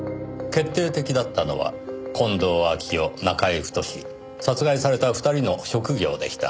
決定的だったのは近藤秋夫中居太殺害された二人の職業でした。